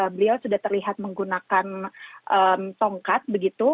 beliau sudah terlihat menggunakan tongkat begitu